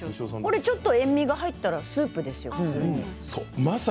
ちょっと塩みが入ったらスープですよ。